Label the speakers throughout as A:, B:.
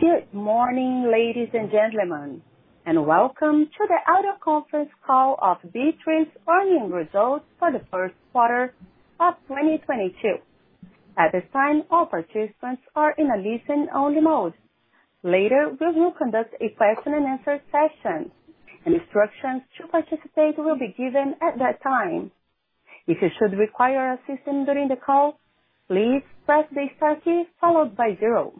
A: Good morning, ladies and gentlemen, and welcome to the audio conference call of B3's earnings results for the first quarter of 2022. At this time, all participants are in a listen-only mode. Later, we will conduct a question and answer session. Instructions to participate will be given at that time. If you should require assistance during the call, please press the star key followed by zero.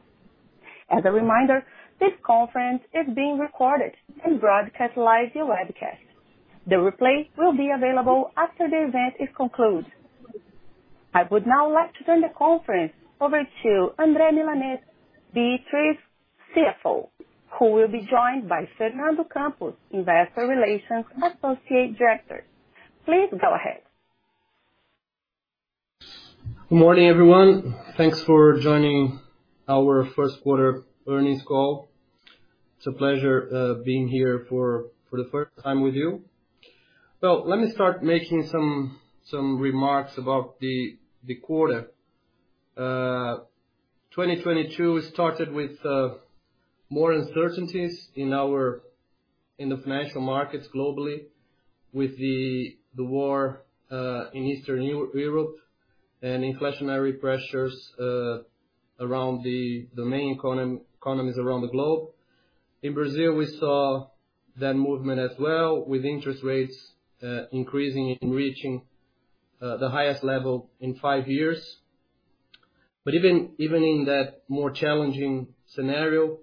A: As a reminder, this conference is being recorded and broadcast live via webcast. The replay will be available after the event is concluded. I would now like to turn the conference over to André Milanez, B3's CFO, who will be joined by Fernando Campos, Investor Relations Associate Director. Please go ahead.
B: Good morning, everyone. Thanks for joining our first quarter earnings call. It's a pleasure being here for the first time with you. Well, let me start making some remarks about the quarter. 2022 started with more uncertainties in the financial markets globally with the war in Eastern Europe and inflationary pressures around the main economies around the globe. In Brazil, we saw that movement as well with interest rates increasing and reaching the highest level in five years. Even in that more challenging scenario,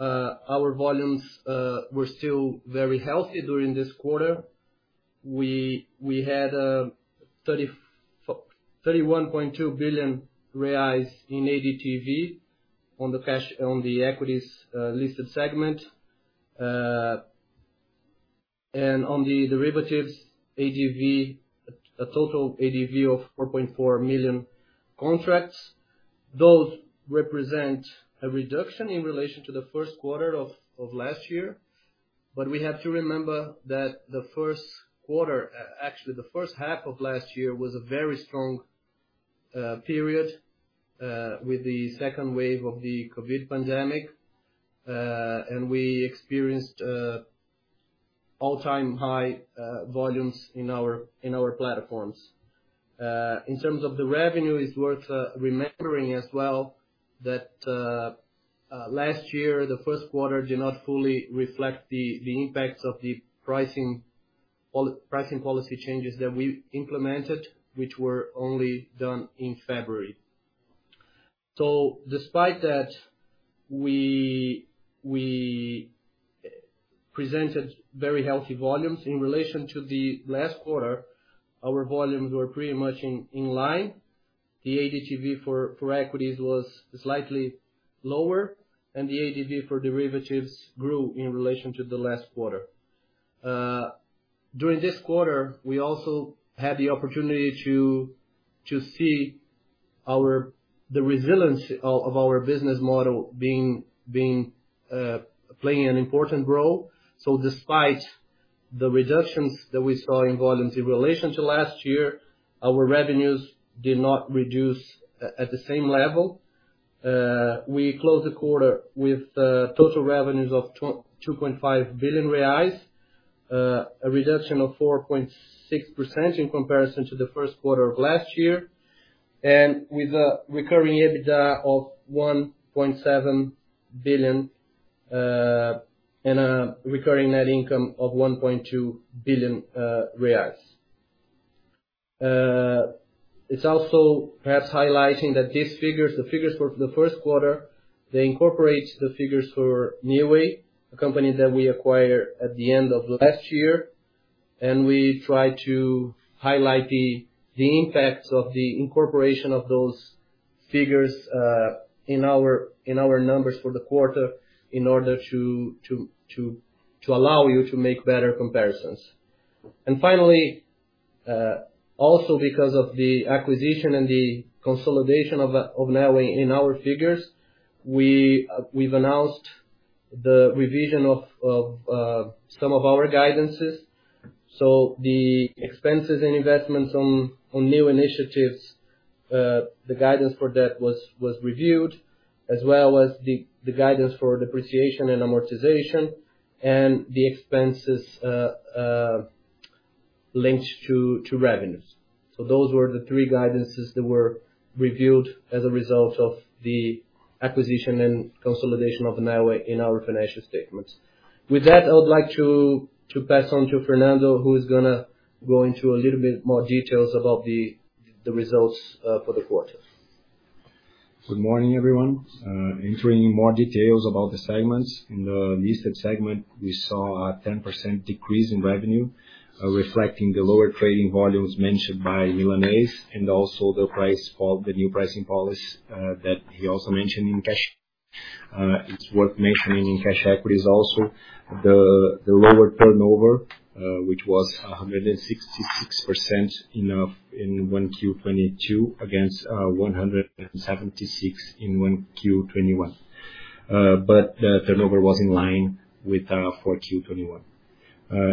B: our volumes were still very healthy during this quarter. We had 31.2 billion reais in ADTV on the equities listed segment. And on the derivatives ADV, a total ADV of 4.4 million contracts. Those represent a reduction in relation to the first quarter of last year. We have to remember that the first quarter, actually the first half of last year was a very strong period, with the second wave of the COVID pandemic, and we experienced all-time high volumes in our platforms. In terms of the revenue, it's worth remembering as well that last year, the first quarter did not fully reflect the impacts of the pricing policy changes that we implemented, which were only done in February. Despite that, we presented very healthy volumes. In relation to the last quarter, our volumes were pretty much in line. The ADTV for equities was slightly lower, and the ADTV for derivatives grew in relation to the last quarter. During this quarter, we also had the opportunity to see the resilience of our business model playing an important role. Despite the reductions that we saw in volumes in relation to last year, our revenues did not reduce at the same level. We closed the quarter with total revenues of 2.5 billion reais, a reduction of 4.6% in comparison to the first quarter of last year. With a recurring EBITDA of 1.7 billion, and a recurring net income of 1.2 billion reais. It's also perhaps highlighting that these figures, the figures for the first quarter, they incorporate the figures for Neoway, a company that we acquired at the end of last year. We try to highlight the impacts of the incorporation of those figures in our numbers for the quarter in order to allow you to make better comparisons. Finally, also because of the acquisition and the consolidation of Neoway in our figures, we've announced the revision of some of our guidances. The expenses and investments on new initiatives, the guidance for that was reviewed, as well as the guidance for depreciation and amortization and the expenses linked to revenues. Those were the three guidances that were reviewed as a result of the acquisition and consolidation of Neoway in our financial statements. With that, I would like to pass on to Fernando, who is gonna go into a little bit more details about the results for the quarter.
C: Good morning, everyone. Entering in more details about the segments. In the listed segment, we saw a 10% decrease in revenue, reflecting the lower trading volumes mentioned by Milanez and also the price, or the new pricing policy, that he also mentioned in cash. It's worth mentioning in cash equities also the lower turnover, which was 166% in 1Q 2022 against 176% in 1Q 2021. But the turnover was in line with 4Q 2021.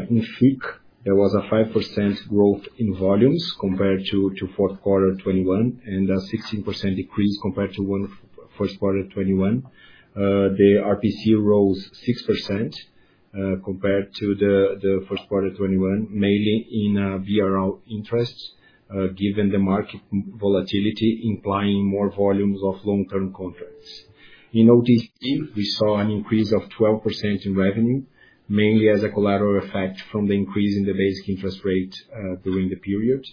C: In FICC, there was a 5% growth in volumes compared to fourth quarter 2021, and a 16% decrease compared to first quarter 2021. The RPC rose 6%, compared to the first quarter 2021, mainly in the BRL interests, given the market volatility implying more volumes of long-term contracts. In OTC, we saw an increase of 12% in revenue, mainly as a collateral effect from the increase in the basic interest rate during the period,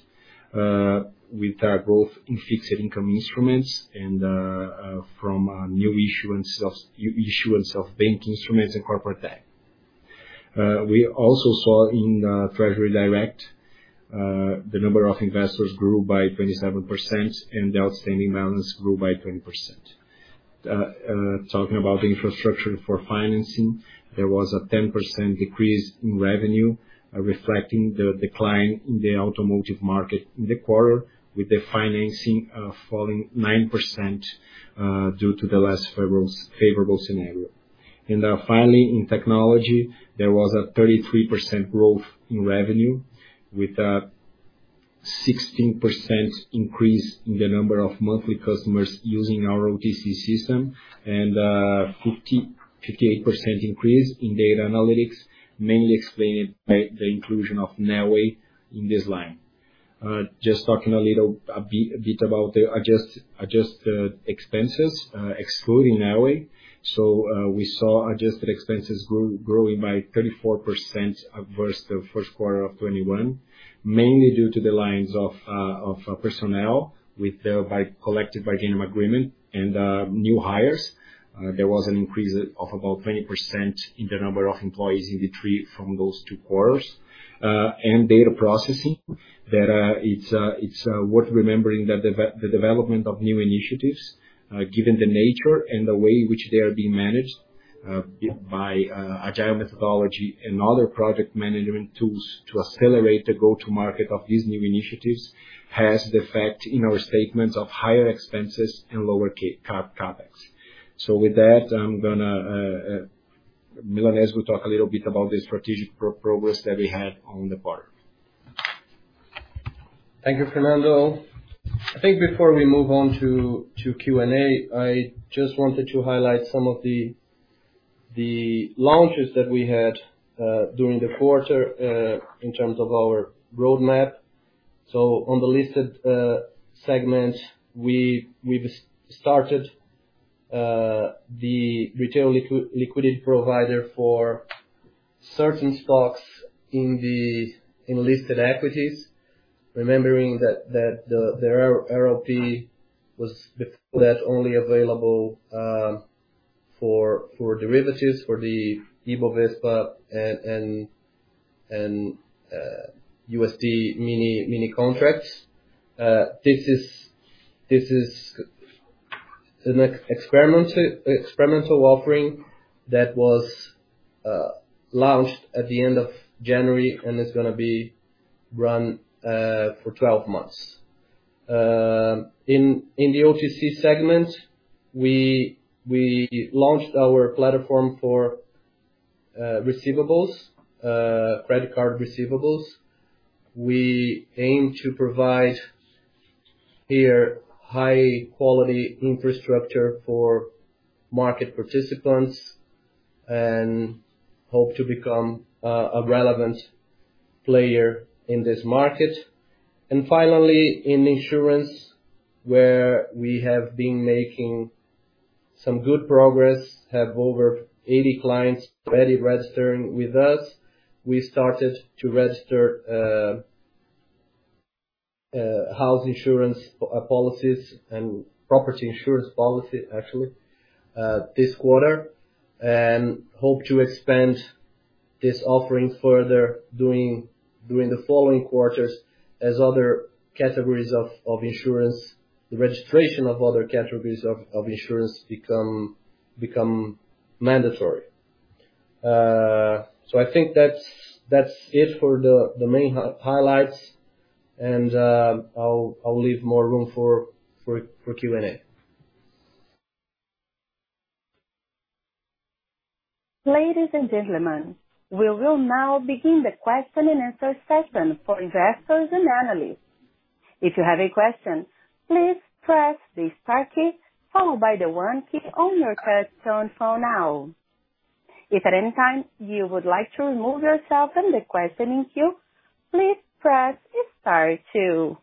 C: with our growth in fixed income instruments and from new issuance of bank instruments and corporate debt. We also saw in Treasury Direct, the number of investors grew by 27% and the outstanding balance grew by 20%. Talking about the infrastructure for financing, there was a 10% decrease in revenue, reflecting the decline in the automotive market in the quarter, with the financing falling 9%, due to the less favorable scenario. Finally, in technology, there was a 33% growth in revenue with a 16% increase in the number of monthly customers using our OTC system and 58% increase in data analytics, mainly explained by the inclusion of Neoway in this line. Just talking a little bit about the adjusted expenses, excluding Neoway. We saw adjusted expenses growing by 34% versus the first quarter of 2021, mainly due to the lines of personnel with the Collective Bargaining Agreement and new hires. There was an increase of about 20% in the number of employees over the three from those two quarters. Data processing, that it's worth remembering that the development of new initiatives, given the nature and the way in which they are being managed, by Agile methodology and other project management tools to accelerate the go-to-market of these new initiatives, has the effect in our statements of higher expenses and lower CapEx. With that, I'm gonna Milanez will talk a little bit about the strategic progress that we had on the part.
B: Thank you, Fernando. I think before we move on to Q&A, I just wanted to highlight some of the launches that we had during the quarter in terms of our roadmap. On the listed segments, we've started the Retail Liquidity Provider for certain stocks in listed equities. Remembering that the RLP was before that only available for derivatives, for the Ibovespa and USD mini contracts. This is an experimental offering that was launched at the end of January and is gonna be run for 12 months. In the OTC segment, we launched our platform for receivables, credit card receivables. We aim to provide here high-quality infrastructure for market participants and hope to become a relevant player in this market. Finally, in insurance, where we have been making some good progress, have over 80 clients already registering with us. We started to register house insurance policies and property insurance policy actually this quarter. Hope to expand this offering further during the following quarters as other categories of insurance, the registration of other categories of insurance become mandatory. I think that's it for the main highlights and I'll leave more room for Q&A.
A: Ladies and gentlemen, we will now begin the question and answer session for investors and analysts. If you have a question, please press the star key followed by the one key on your touch-tone phone now. If at any time you would like to remove yourself from the questioning queue, please press star two.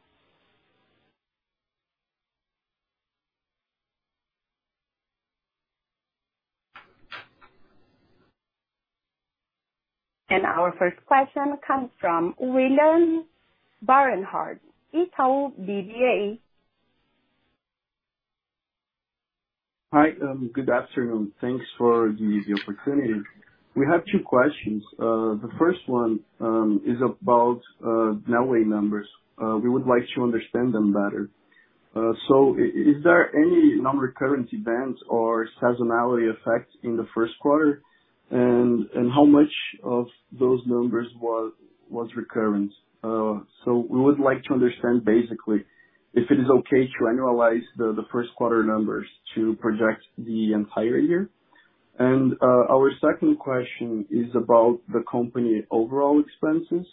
A: Our first question comes from William Barranjard, Itaú BBA.
D: Hi. Good afternoon. Thanks for this opportunity. We have two questions. The first one is about Neoway numbers. We would like to understand them better. Is there any non-recurring or seasonality effect in the first quarter? How much of those numbers was recurrent. We would like to understand basically if it is okay to annualize the first quarter numbers to project the entire year. Our second question is about the company overall expenses.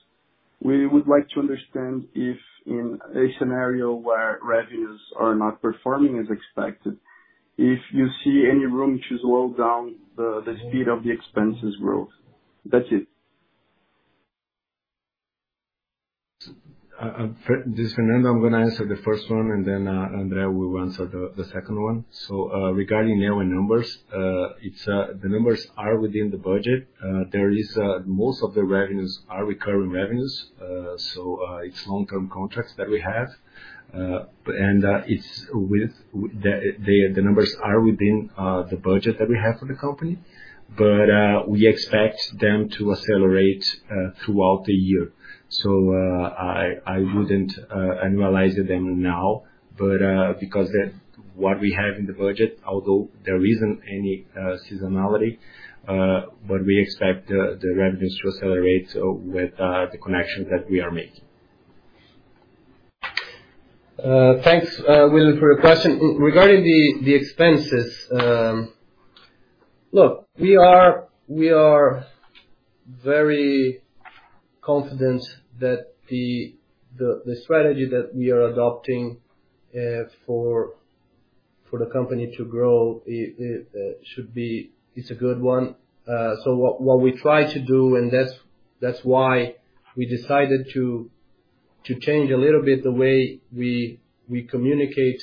D: We would like to understand if in a scenario where revenues are not performing as expected, if you see any room to slow down the speed of the expenses growth. That's it.
C: This is Fernando. I'm gonna answer the first one, and then André will answer the second one. Regarding annual numbers, the numbers are within the budget. Most of the revenues are recurring revenues, so it's long-term contracts that we have. The numbers are within the budget that we have for the company. We expect them to accelerate throughout the year. I wouldn't annualize them now, but because they're what we have in the budget, although there isn't any seasonality, but we expect the revenues to accelerate with the connections that we are making.
B: Thanks, William, for your question. Regarding the expenses, look, we are very confident that the strategy that we are adopting for the company to grow is a good one. What we try to do, and that's why we decided to change a little bit the way we communicate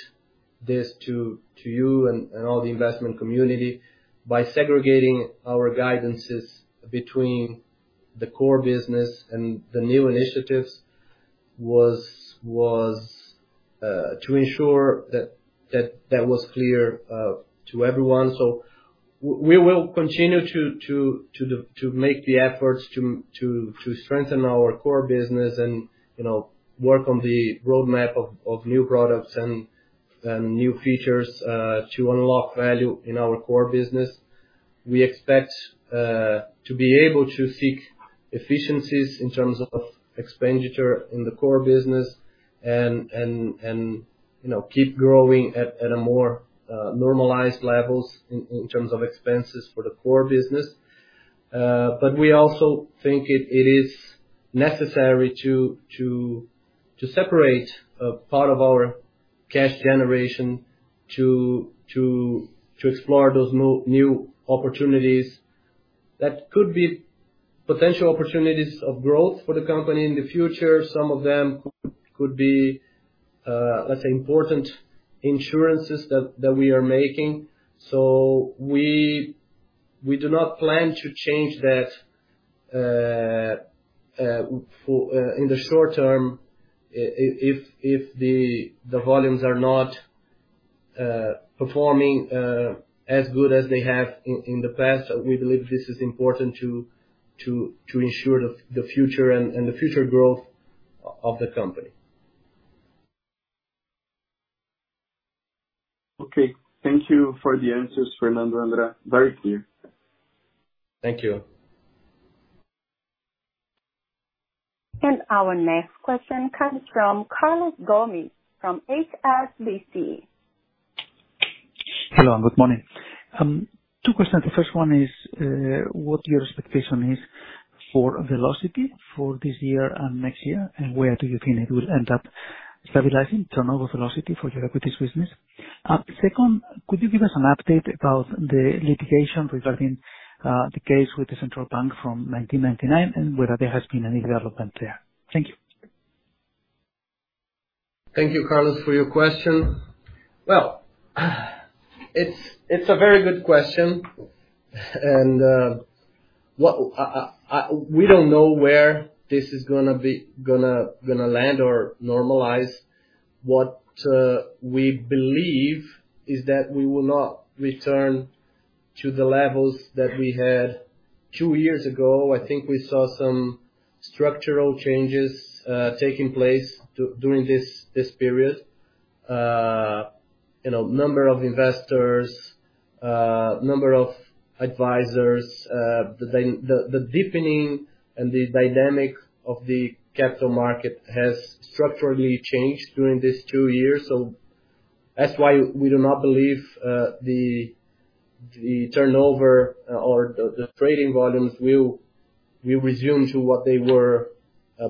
B: this to you and all the investment community by segregating our guidances between the core business and the new initiatives, was to ensure that was clear to everyone. We will continue to make the efforts to strengthen our core business and, you know, work on the roadmap of new products and new features to unlock value in our core business. We expect to be able to seek efficiencies in terms of expenditure in the core business and, you know, keep growing at a more normalized levels in terms of expenses for the core business. We also think it is necessary to separate a part of our cash generation to explore those new opportunities that could be potential opportunities of growth for the company in the future. Some of them could be, let's say important investments that we are making. We do not plan to change that in the short term. If the volumes are not performing as good as they have in the past, we believe this is important to ensure the future and the future growth of the company.
D: Okay. Thank you for the answers, Fernando and André. Very clear.
B: Thank you.
A: Our next question comes from Carlos Gomez from HSBC.
E: Hello and good morning. Two questions. The first one is, what your expectation is for velocity for this year and next year, and where do you think it will end up stabilizing turnover velocity for your equities business? Second, could you give us an update about the litigation regarding, the case with the Central Bank from 1999, and whether there has been any development there? Thank you.
B: Thank you, Carlos, for your question. Well, it's a very good question. What we don't know where this is gonna land or normalize. What we believe is that we will not return to the levels that we had two years ago. I think we saw some structural changes taking place during this period. You know, number of investors, number of advisors, the deepening and the dynamic of the capital market has structurally changed during these two years. That's why we do not believe the turnover or the trading volumes will resume to what they were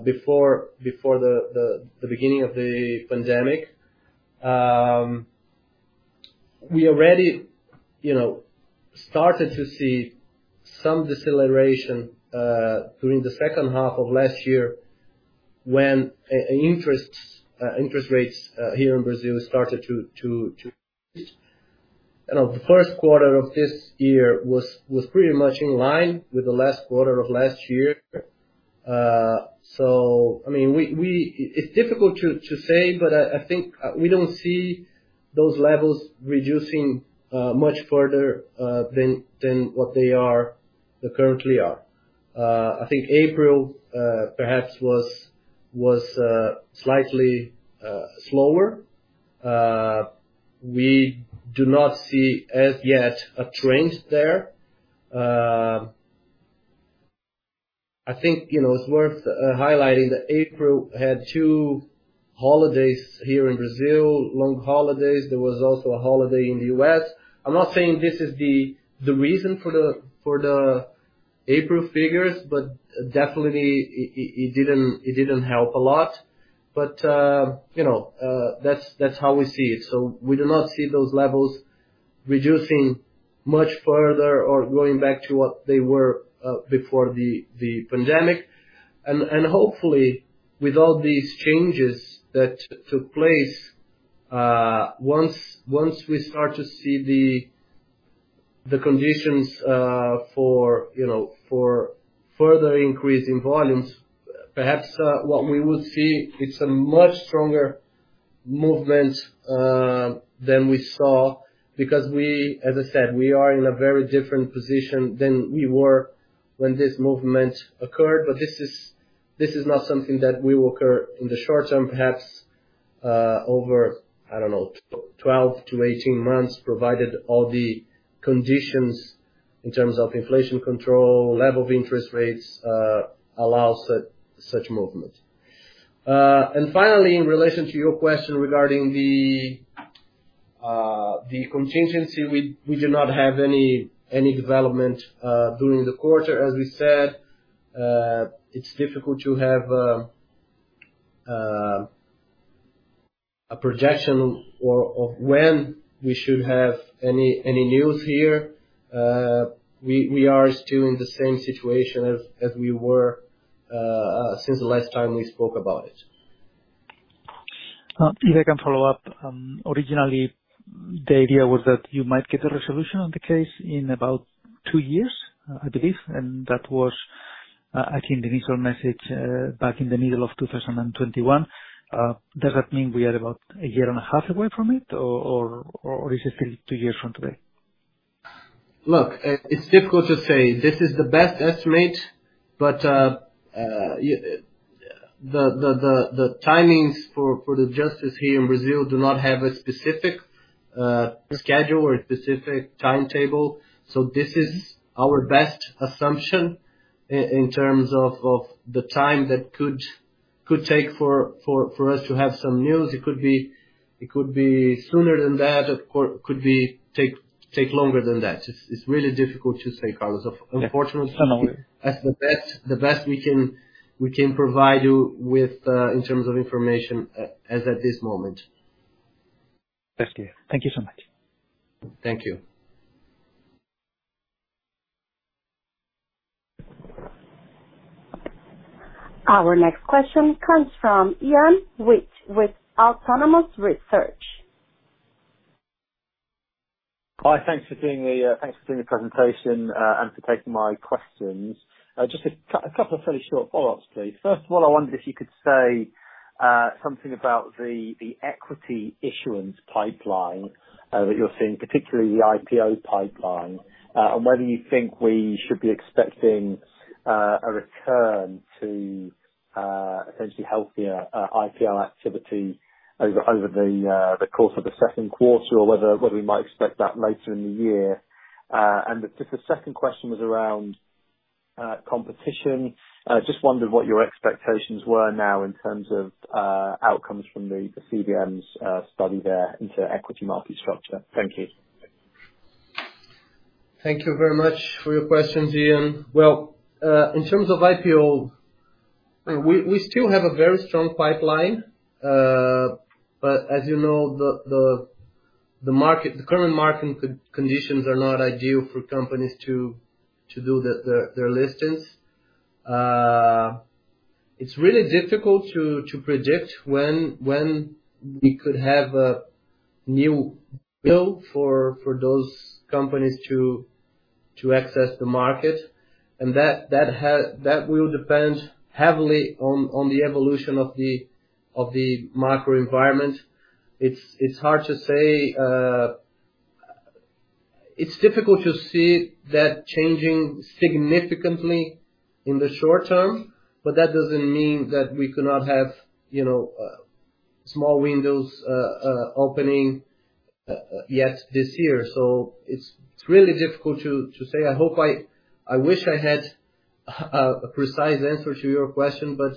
B: before the beginning of the pandemic. We already, you know, started to see some deceleration during the second half of last year when interest rates here in Brazil started to. You know, the first quarter of this year was pretty much in line with the last quarter of last year. So I mean, it's difficult to say, but I think we don't see those levels reducing much further than what they currently are. I think April perhaps was slightly slower. We do not see as yet a trend there. I think, you know, it's worth highlighting that April had two holidays here in Brazil, long holidays. There was also a holiday in the U.S. I'm not saying this is the reason for the April figures, but definitely it didn't help a lot. You know, that's how we see it. We do not see those levels reducing much further or going back to what they were before the pandemic. Hopefully, with all these changes that took place, once we start to see the conditions for, you know, for further increase in volumes, perhaps what we will see it's a much stronger movement than we saw. Because we, as I said, we are in a very different position than we were when this movement occurred. This is not something that will occur in the short term, perhaps over, I don't know, 12-18 months, provided all the conditions in terms of inflation control, level of interest rates, allows such movement. And finally, in relation to your question regarding the contingency, we do not have any development during the quarter. As we said, it's difficult to have a projection or of when we should have any news here. We are still in the same situation as we were since the last time we spoke about it.
E: If I can follow up, originally the idea was that you might get a resolution on the case in about two years, I believe, and that was, I think the initial message, back in the middle of 2021. Does that mean we are about a year and a half away from it or is it still two years from today?
B: Look, it's difficult to say. This is the best estimate, but the timings for the Justice here in Brazil do not have a specific schedule or a specific timetable, so this is our best assumption in terms of the time that could take for us to have some news. It could be sooner than that. It could take longer than that. It's really difficult to say, Carlos. Unfortunately-
E: Yeah. I know.
B: That's the best we can provide you with in terms of information as at this moment.
E: Thank you. Thank you so much.
B: Thank you.
A: Our next question comes from Ian White with Autonomous Research.
F: Hi. Thanks for doing the presentation and for taking my questions. Just a couple of fairly short follow-ups, please. First of all, I wondered if you could say something about the equity issuance pipeline that you're seeing, particularly the IPO pipeline, and whether you think we should be expecting a return to potentially healthier IPO activity over the course of the second quarter or whether we might expect that later in the year. Just the second question was around competition. I just wondered what your expectations were now in terms of outcomes from the CVM's study there into equity market structure. Thank you.
B: Thank you very much for your questions, Ian. Well, in terms of IPO, we still have a very strong pipeline. As you know, the current market conditions are not ideal for companies to do their listings. It's really difficult to predict when we could have a new bull for those companies to access the market, and that will depend heavily on the evolution of the macro environment. It's hard to say. It's difficult to see that changing significantly in the short term, but that doesn't mean that we could not have, you know, small windows opening yet this year. It's really difficult to say. I wish I had a precise answer to your question, but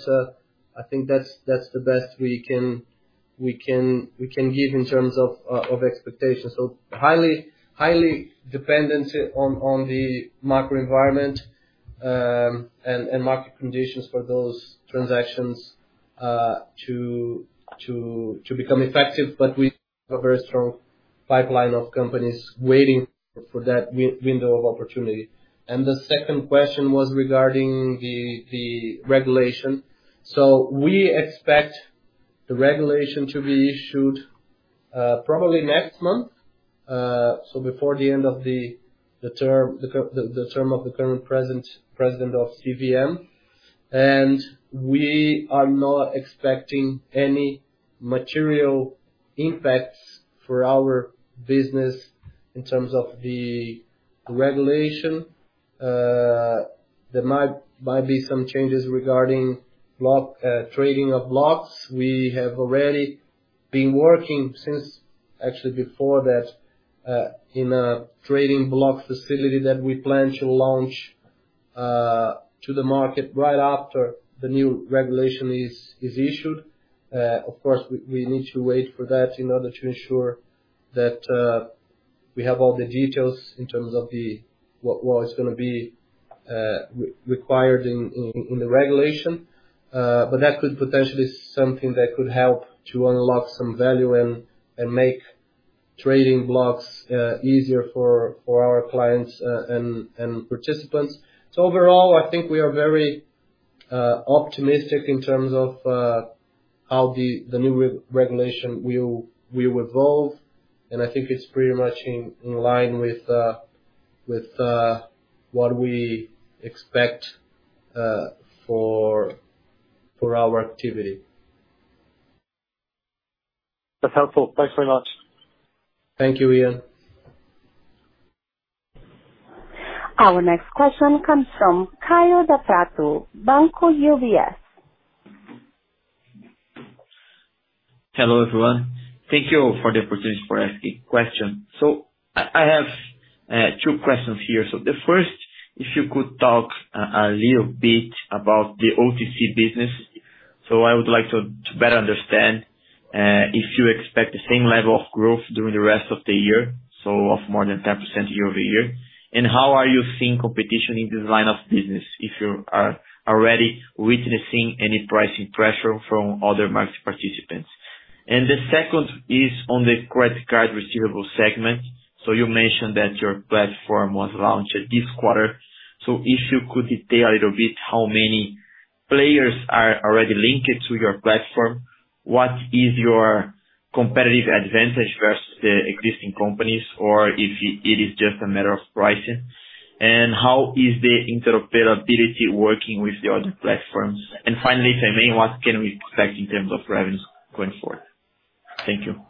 B: I think that's the best we can give in terms of expectations. Highly dependent on the macro environment and market conditions for those transactions to become effective. We have a very strong pipeline of companies waiting for that window of opportunity. The second question was regarding the regulation. We expect the regulation to be issued probably next month before the end of the term of the current president of CVM. We are not expecting any material impact for our business in terms of the regulation, there might be some changes regarding block trading of blocks. We have already been working since actually before that in a trading block facility that we plan to launch to the market right after the new regulation is issued. Of course, we need to wait for that in order to ensure that we have all the details in terms of what is gonna be required in the regulation. That could potentially be something that could help to unlock some value and make trading blocks easier for our clients and participants. Overall, I think we are very optimistic in terms of how the new regulation will evolve. I think it's pretty much in line with what we expect for our activity.
F: That's helpful. Thanks very much.
B: Thank you, Ian.
A: Our next question comes from Kaio Da Prato, UBS.
G: Hello, everyone. Thank you for the opportunity for asking question. I have two questions here. The first, if you could talk a little bit about the OTC business. I would like to better understand if you expect the same level of growth during the rest of the year, of more than 10% year-over-year. How are you seeing competition in this line of business, if you are already witnessing any pricing pressure from other market participants? The second is on the credit card receivables segment. You mentioned that your platform was launched this quarter. If you could detail a little bit how many players are already linked to your platform? What is your competitive advantage versus the existing companies, or if it is just a matter of pricing? How is the interoperability working with the other platforms? Finally, if I may, what can we expect in terms of revenues going forward? Thank you.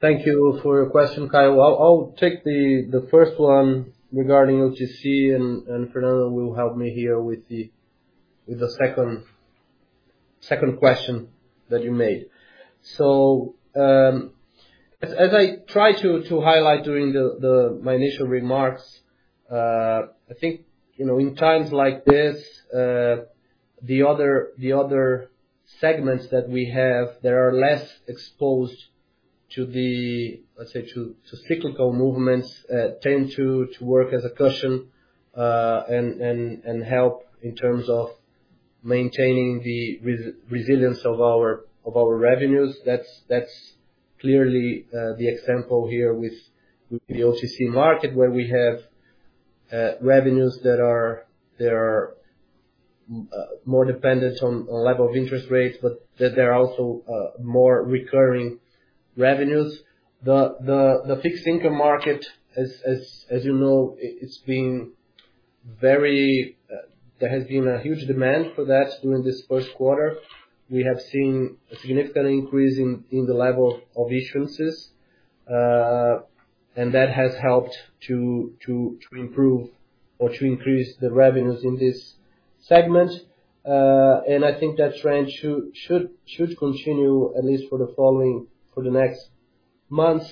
B: Thank you for your question, Kaio. I'll take the first one regarding OTC and Fernando will help me here with the second question that you made. As I try to highlight during my initial remarks, I think, you know, in times like this, the other segments that we have that are less exposed to the, let's say, to cyclical movements tend to work as a cushion and help in terms of maintaining the resilience of our revenues. That's clearly the example here with the OTC market, where we have revenues that are more dependent on level of interest rates, but that they're also more recurring revenues. The fixed income market as you know, there has been a huge demand for that during this first quarter. We have seen a significant increase in the level of issuances, and that has helped to improve or to increase the revenues in this segment. I think that trend should continue, at least for the next months.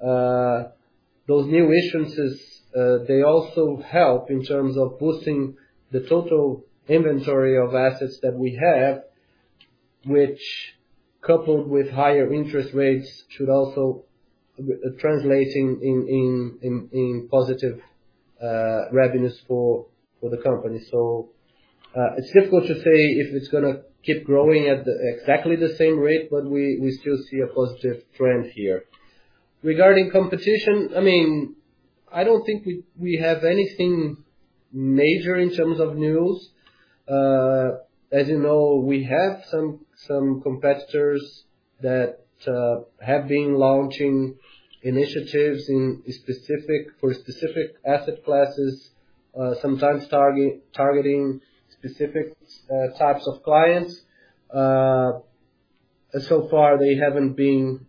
B: Those new issuances they also help in terms of boosting the total inventory of assets that we have, which coupled with higher interest rates, should also translate into positive revenues for the company. It's difficult to say if it's gonna keep growing at exactly the same rate, but we still see a positive trend here. Regarding competition, I mean, I don't think we have anything major in terms of news. As you know, we have some competitors that have been launching initiatives in specific asset classes, sometimes targeting specific types of clients. So far they haven't been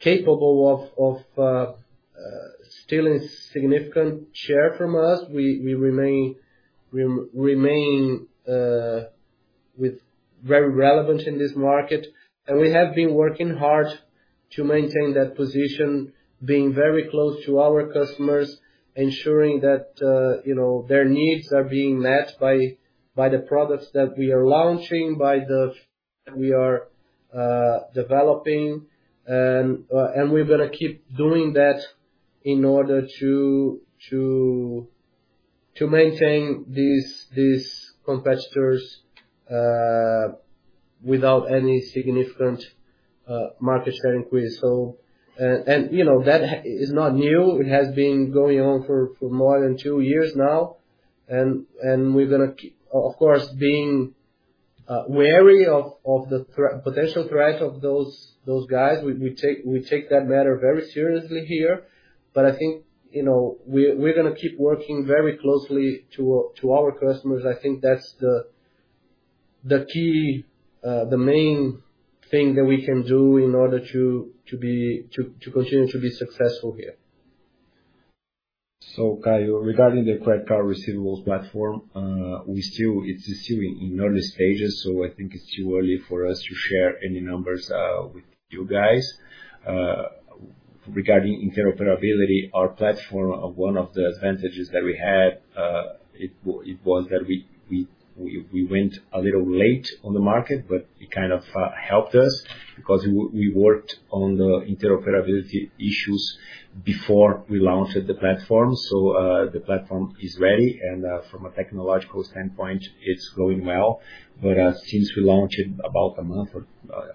B: capable of stealing significant share from us. We remain very relevant in this market. We have been working hard to maintain that position, being very close to our customers, ensuring that, you know, their needs are being met by the products that we are launching, by the products we are developing. We're gonna keep doing that in order to maintain these competitors without any significant market share increase. You know, that is not new. It has been going on for more than two years now. We're gonna keep of course being wary of the potential threat of those guys. We take that matter very seriously here. I think, you know, we're gonna keep working very closely to our customers. I think that's the key, the main thing that we can do in order to continue to be successful here.
C: Kaio, regarding the credit card receivables platform, it's still in early stages, so I think it's too early for us to share any numbers with you guys. Regarding interoperability, our platform, one of the advantages that we had, it was that we went a little late on the market, but it kind of helped us because we worked on the interoperability issues before we launched the platform. The platform is ready and, from a technological standpoint, it's going well. Since we launched it about a month or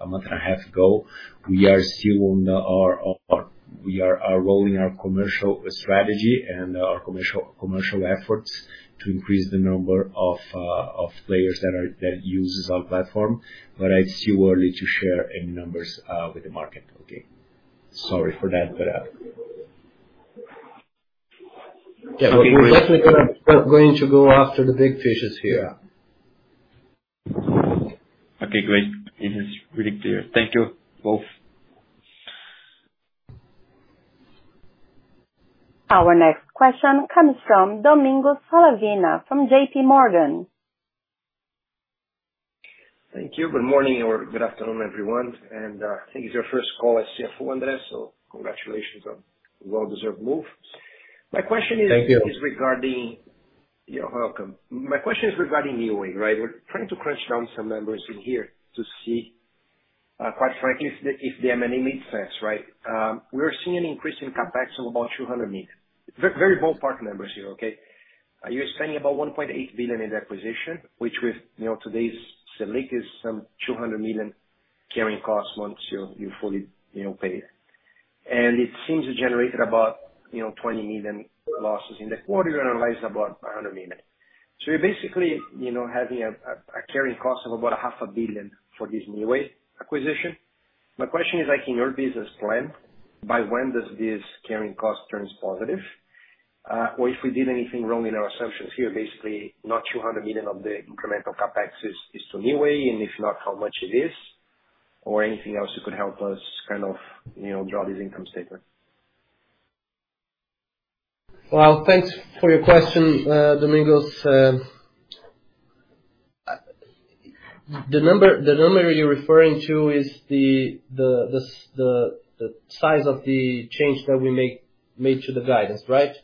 C: a month and a half ago, we are still rolling our commercial strategy and our commercial efforts to increase the number of players that uses our platform. It's too early to share any numbers with the market. Okay. Sorry for that.
B: Yeah. We're going to go after the big fishes here.
G: Okay, great. It is really clear. Thank you both.
A: Our next question comes from Domingos Falavina from JPMorgan.
H: Thank you. Good morning or good afternoon, everyone. I think it's your first call as CFO, André. Congratulations on a well-deserved move. My question is.
B: Thank you.
H: You're welcome. My question is regarding Neoway, right? We're trying to crunch down some numbers in here to see, quite frankly, if the M&A made sense, right? We're seeing an increase in CapEx of about 200 million. Very bold partner numbers here, okay? You're spending about 1.8 billion in acquisition, which with, you know, today's Selic is some 200 million carrying costs once you fully, you know, pay it. It seems to generate about, you know, 20 million losses in the quarter, annualized about 100 million. So you're basically, you know, having a carrying cost of about 500 million for this Neoway acquisition. My question is, like, in your business plan, by when does this carrying cost turn positive? If we did anything wrong in our assumptions here, basically not 200 million of the incremental CapEx is to Neoway, and if not, how much it is? Anything else that could help us kind of, you know, draw this income statement.
B: Well, thanks for your question, Domingos. The number you're referring to is the size of the change that we made to the guidance, right?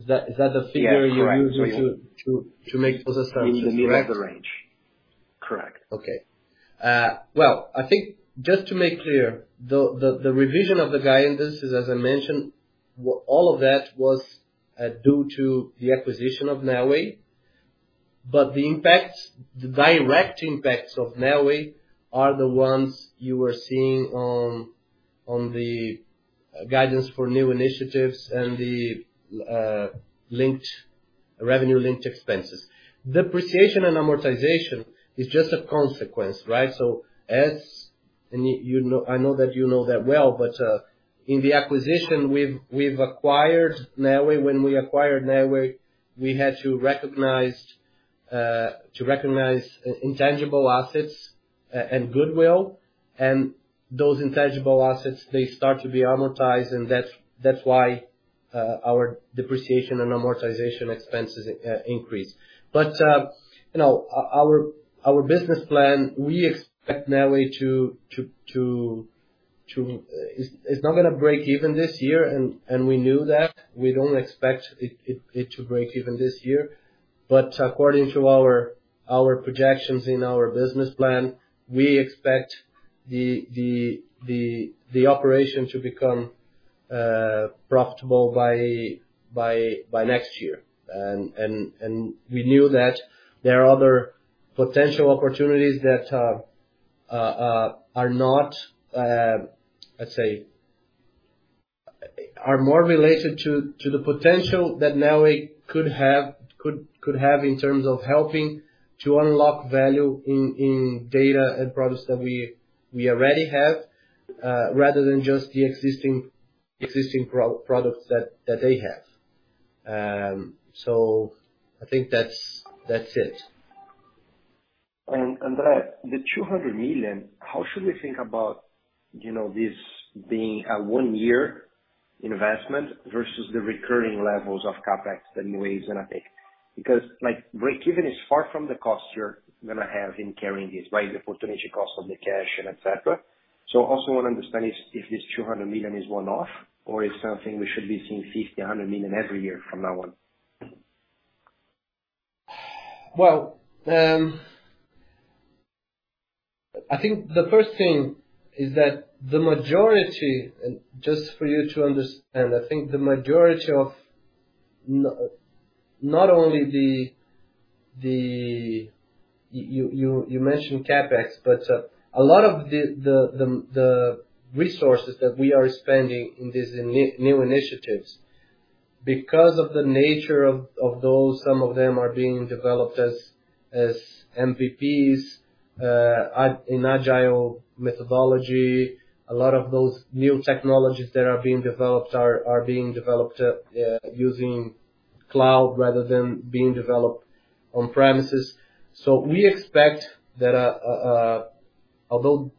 B: Is that the figure you're using to-?
H: Yeah. Correct.
B: To make those assumptions, correct?
H: In the middle of the range. Correct.
B: Okay. Well, I think just to make clear, the revision of the guidance is, as I mentioned, all of that was due to the acquisition of Neoway. The impact, the direct impacts of Neoway are the ones you are seeing on the guidance for new initiatives and the revenue-linked expenses. Depreciation and amortization is just a consequence, right? You know, I know that you know that well, but in the acquisition we've acquired Neoway. When we acquired Neoway, we had to recognize intangible assets and goodwill, and those intangible assets, they start to be amortized, and that's why our depreciation and amortization expenses increase. You know, our business plan, we expect Neoway to. It's not gonna break even this year, and we knew that. We don't expect it to break even this year. According to our projections in our business plan, we expect the operation to become profitable by next year. We knew that there are other potential opportunities that are not, let's say, more related to the potential that Neoway could have in terms of helping to unlock value in data and products that we already have rather than just the existing products that they have. I think that's it.
H: André, the 200 million, how should we think about, you know, this being a one-year investment versus the recurring levels of CapEx that Neoway is gonna take? Because, like, breakeven is far from the cost you're gonna have in carrying this, right? The opportunity cost of the cash and et cetera. Also wanna understand if this 200 million is one-off or it's something we should be seeing 50, 100 million every year from now on.
B: Well, I think the first thing is that the majority, just for you to understand, I think the majority of not only the. You mentioned CapEx, but a lot of the resources that we are spending in these new initiatives, because of the nature of those, some of them are being developed as MVPs in Agile methodology, a lot of those new technologies that are being developed using cloud rather than being developed on premises. We expect that although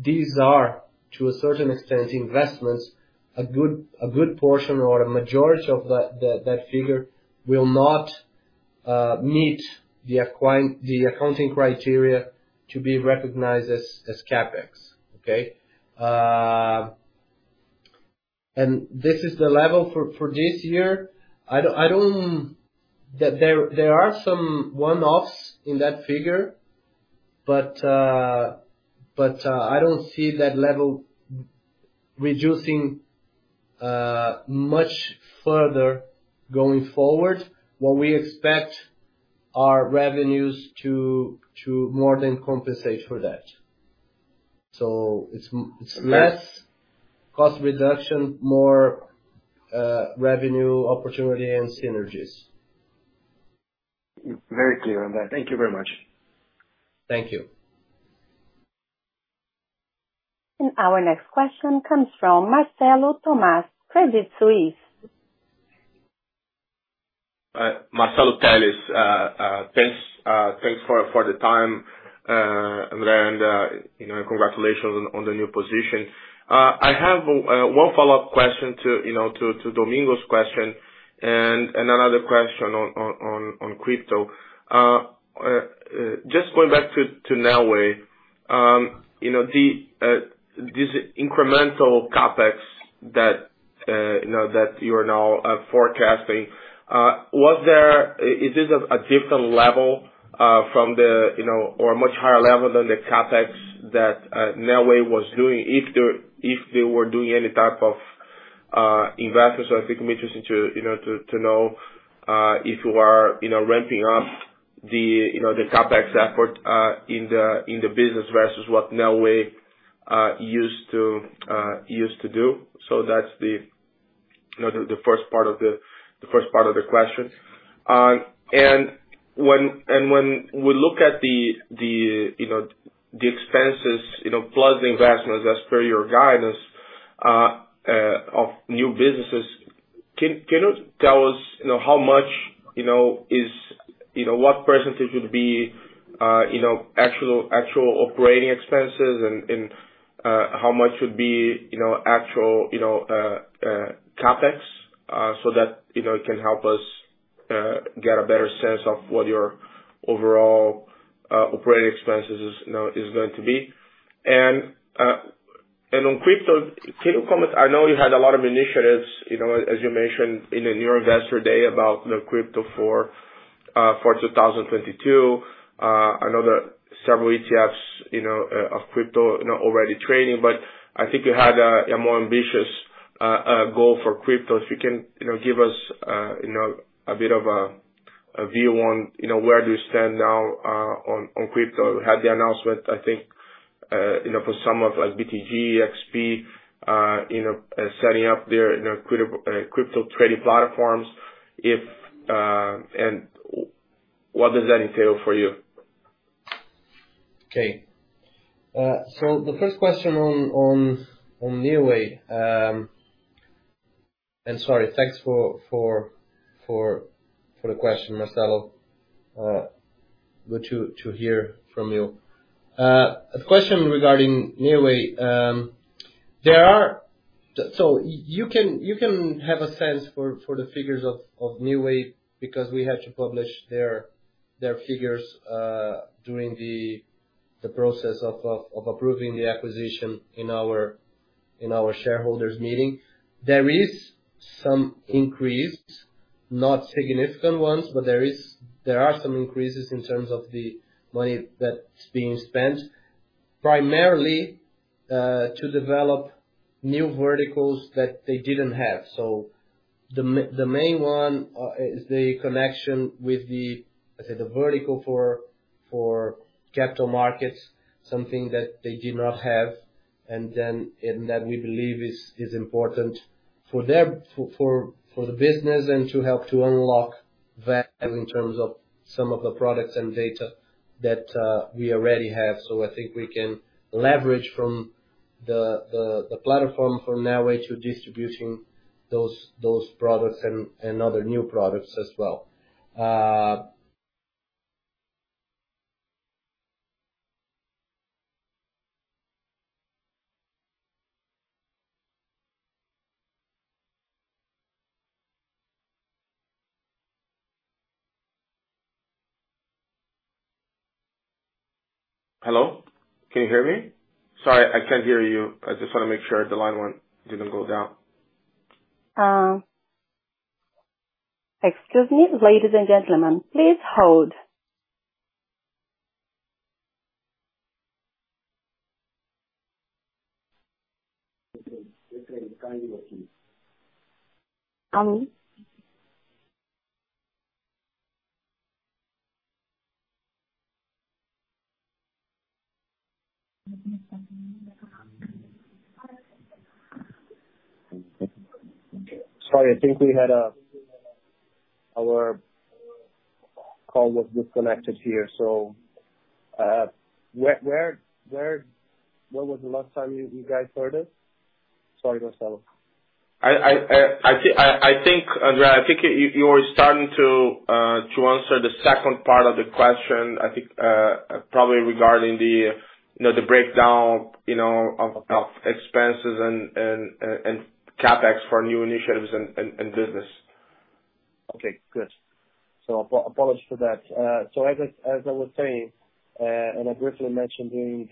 B: these are, to a certain extent, investments, a good portion or a majority of that figure will not meet the accounting criteria to be recognized as CapEx. Okay? This is the level for this year. I don't. There are some one-offs in that figure, but I don't see that level reducing much further going forward, what we expect our revenues to more than compensate for that. It's less cost reduction, more revenue opportunity and synergies.
H: Very clear on that. Thank you very much.
B: Thank you.
A: Our next question comes from Marcelo Telles, Credit Suisse.
I: Marcelo Telles, thanks for the time, and then, you know, congratulations on the new position. I have one follow-up question to, you know, to Domingos's question and another question on crypto. Just going back to Neoway. You know, this incremental CapEx that, you know, that you are now forecasting, is this a different level from the, you know, or a much higher level than the CapEx that Neoway was doing if they were doing any type of investments. I think it'd be interesting to, you know if you are, you know, ramping up the, you know, the CapEx effort in the business versus what Neoway used to do. That's the, you know, the first part of the question. When we look at the you know the expenses you know plus the investments as per your guidance of new businesses, can you tell us you know how much you know is you know what percentage would be you know actual operating expenses and how much would be you know actual you know CapEx so that you know it can help us get a better sense of what your overall operating expenses is you know is going to be. On crypto, can you comment. I know you had a lot of initiatives you know as you mentioned in your Investor Day about the crypto for 2022. I know that several ETFs, you know, of crypto, you know, already trading, but I think you had a more ambitious goal for crypto. If you can, you know, give us, you know, a bit of a view on, you know, where do you stand now on crypto. You had the announcement, I think, you know, for some, like BTG, XP, you know, setting up their, you know, crypto trading platforms, and what does that entail for you?
B: Okay. The first question on Neoway, and sorry, thanks for the question, Marcelo. Good to hear from you. The question regarding Neoway. You can have a sense for the figures of Neoway because we have to publish their figures during the process of approving the acquisition in our shareholders' meeting. There is some increase, not significant ones, but there are some increases in terms of the money that's being spent, primarily, to develop new verticals that they didn't have. The main one is the connection with the, let's say, the vertical for capital markets, something that they did not have. That we believe is important for them, for the business and to help to unlock value in terms of some of the products and data that we already have. I think we can leverage from the platform from Neoway to distributing those products and other new products as well.
I: Hello, can you hear me? Sorry, I can't hear you. I just wanna make sure the line won't even go down.
A: Excuse me, ladies and gentlemen, please hold.
B: Okay. It's currently working.
A: Hello?
B: Sorry, I think we had our call was disconnected here. Where when was the last time you guys heard us? Sorry, Marcelo.
I: I think, André, I think you were starting to answer the second part of the question. I think probably regarding, you know, the breakdown, you know, of expenses and CapEx for new initiatives and business.
B: Okay, good. Apologies for that. As I was saying, I briefly mentioned during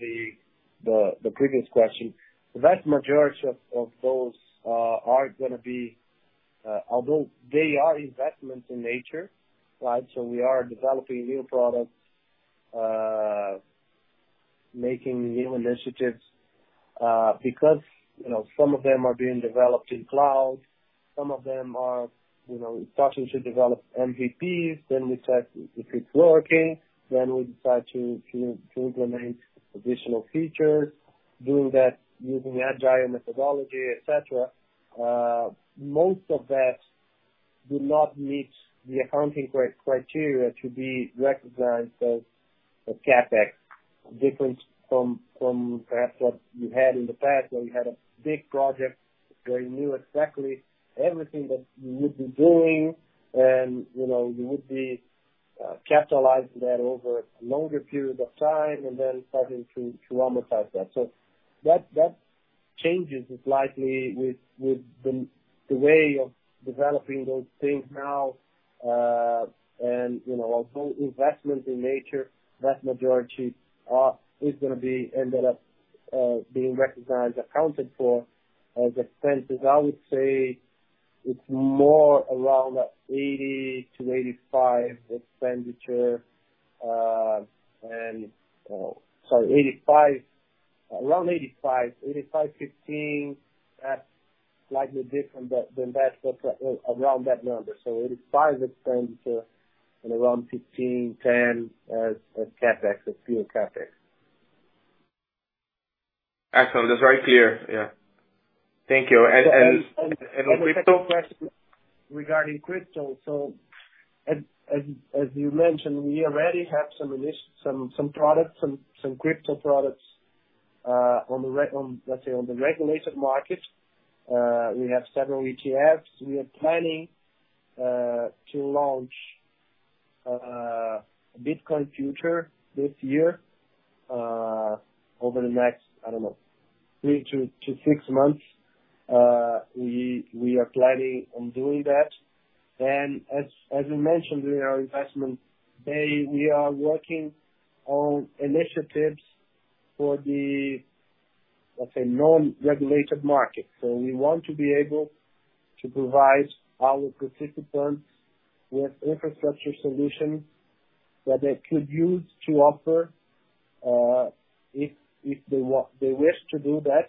B: the previous question. The vast majority of those are gonna be, although they are investments in nature, right? We are developing new products, making new initiatives, because, you know, some of them are being developed in cloud, some of them are, you know, starting to develop MVPs. We check if it's working, then we start to implement additional features, doing that using Agile methodology, et cetera. Most of that do not meet the accounting criteria to be recognized as CapEx. Different from perhaps what you had in the past, where you had a big project where you knew exactly everything that you would be doing and, you know, you would be capitalizing that over a longer period of time and then starting to amortize that. That changes slightly with the way of developing those things now, and, you know, although investment in nature, vast majority is gonna end up being recognized, accounted for as expenses. I would say it's more around 80%-85% expenditure. Sorry, around 85%. 85%, 15%. That's slightly different, but the investment around that number. 85% expenditure and around 15%-10% as CapEx, as pure CapEx.
I: Excellent. That's very clear. Yeah. Thank you. On crypto?
B: Regarding crypto, as you mentioned, we already have some crypto products on the, let's say, regulated market. We have several ETFs. We are planning to launch Bitcoin futures this year over the next, I don't know, three to six months. We are planning on doing that. As we mentioned during our investment day, we are working on initiatives for the, let's say, non-regulated market. We want to be able to provide our participants with infrastructure solutions that they could use to offer if they wish to do that,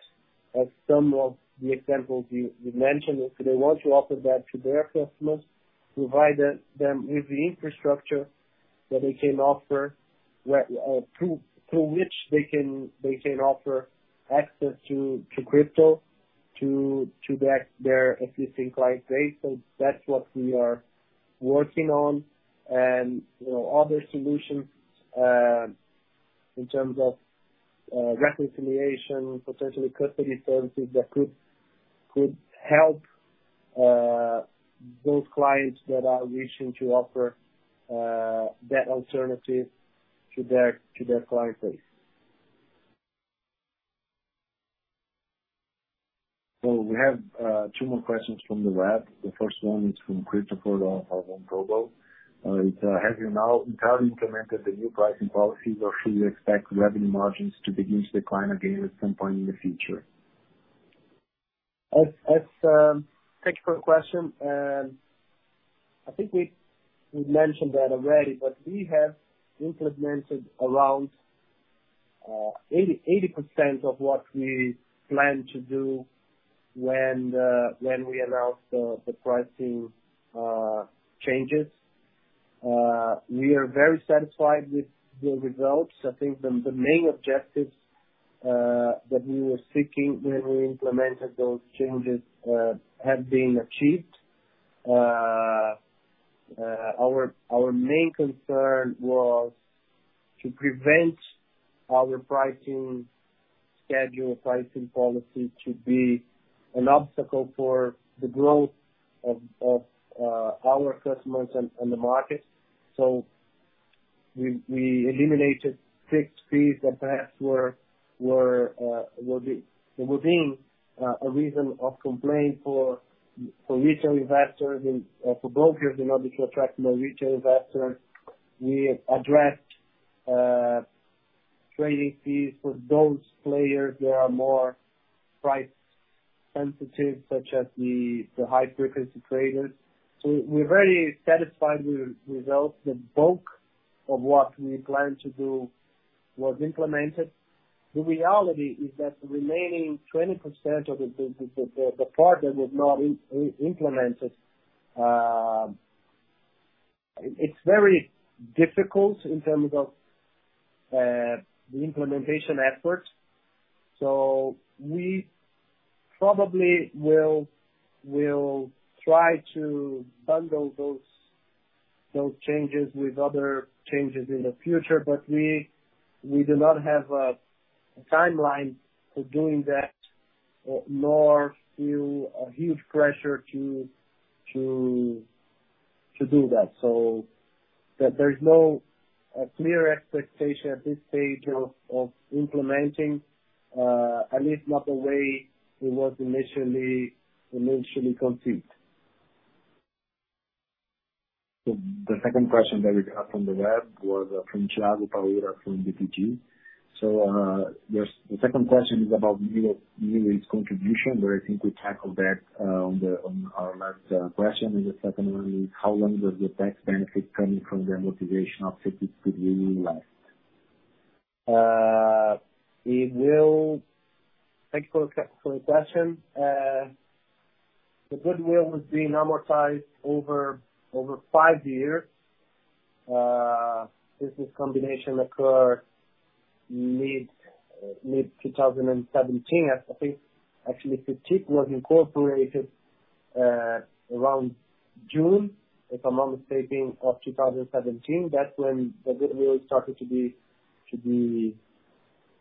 B: as some of the examples you mentioned. If they want to offer that to their customers, provide them with the infrastructure that they can offer through which they can offer access to crypto to their existing client base. That's what we are working on. You know, other solutions in terms of reconciliation, potentially custody services that could help those clients that are wishing to offer that alternative to their client base.
C: We have two more questions from the web. The first one is from Christopher. Have you now entirely implemented the new pricing policies or should we expect revenue margins to begin to decline again at some point in the future?
B: Thank you for the question. I think we mentioned that already, but we have implemented around 80% of what we planned to do when we announced the pricing changes. We are very satisfied with the results. I think the main objectives that we were seeking when we implemented those changes have been achieved. Our main concern was to prevent our pricing schedule, pricing policy to be an obstacle for the growth of our customers and the market. We eliminated fixed fees that perhaps were being a reason of complaint for retail investors and for brokers in order to attract more retail investors. We addressed trading fees for those players that are more price sensitive, such as the high frequency traders. We're very satisfied with the results. The bulk of what we planned to do was implemented. The reality is that the remaining 20% of the part that was not implemented, it's very difficult in terms of the implementation effort. We probably will try to bundle those changes with other changes in the future. We do not have a timeline for doing that, nor feel a huge pressure to do that. There's no clear expectation at this stage of implementing, at least not the way it was initially conceived.
C: The second question that we got from the web was from Thiago Paura from BTG Pactual. The second question is about new rate contribution, but I think we tackled that on our last question. The second one is how long does the tax benefit coming from the amortization could be left?
B: Thank you for the question. The goodwill was being amortized over five years. Business combination occurred mid-2017. I think actually Cetip was incorporated around June, if I'm not mistaken, of 2017. That's when the deal really started to be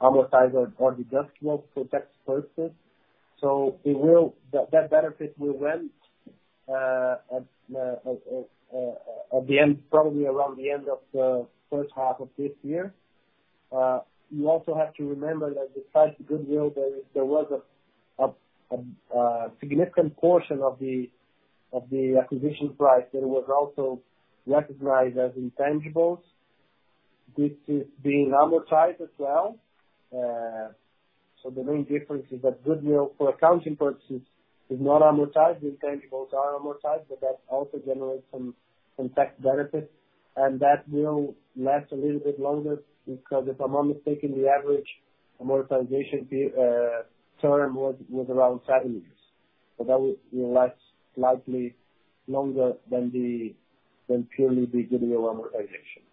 B: amortized or deducted for tax purposes. That benefit will end at the end, probably around the end of the first half of this year. You also have to remember that despite the goodwill, there was a significant portion of the acquisition price that was also recognized as intangibles. This is being amortized as well. The main difference is that goodwill for accounting purposes is not amortized. Intangibles are amortized, but that also generates some tax benefits. That will last a little bit longer because if I'm not mistaken, the average amortization term was around seven years. That will last slightly longer than purely the goodwill amortization.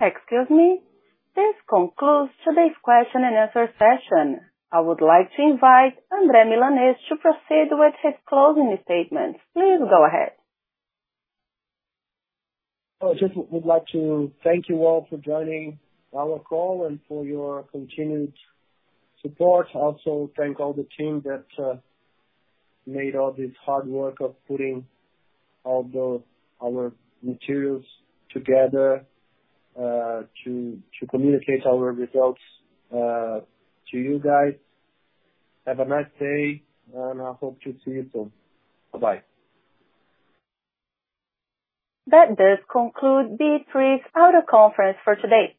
A: Excuse me. This concludes today's question and answer session. I would like to invite André Milanez to proceed with his closing statements. Please go ahead.
B: I just would like to thank you all for joining our call and for your continued support. Also thank all the team that made all this hard work of putting all the our materials together to communicate our results to you guys. Have a nice day, and I hope to see you soon. Bye-bye.
A: That does conclude B3's audio conference for today.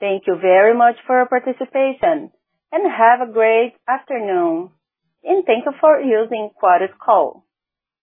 A: Thank you very much for your participation, and have a great afternoon, and thank you for using Chorus Call.